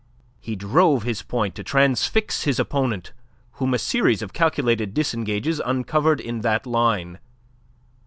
He drove his point to transfix his opponent whom a series of calculated disengages uncovered in that line.